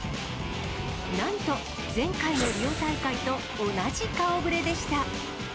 なんと、前回のリオ大会と同じ顔ぶれでした。